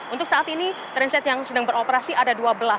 untuk saat ini transit yang sedang beroperasi ada dua belas